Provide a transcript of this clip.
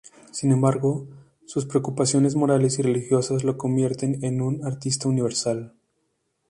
Sin embargo, sus preocupaciones morales y religiosas lo convierten en un artista universal.